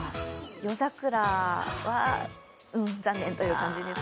夜桜は残念という感じです。